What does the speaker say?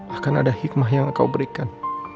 akan ada hikmah yang engkau berikan